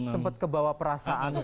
sempat kebawa perasaan gak